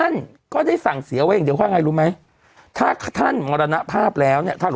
นี้นะฮะ